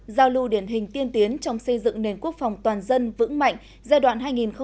giao lưu điển hình tiên tiến trong xây dựng nền quốc phòng toàn dân vững mạnh giai đoạn hai nghìn chín hai nghìn một mươi chín